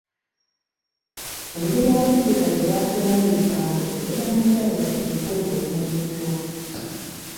Engeri Abafirika gye baatulamu ebigambo ebeera ya njawulo ku Luzungu olumanyiddwa.